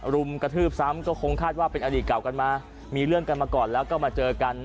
รุมกระทืบซ้ำก็คงคาดว่าเป็นอดีตเก่ากันมามีเรื่องกันมาก่อนแล้วก็มาเจอกัน